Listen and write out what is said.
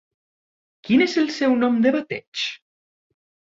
Quin és el seu nom de bateig?